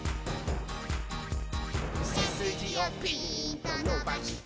「せすじをピーンとのばして」